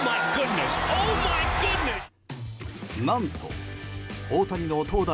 何と大谷の投打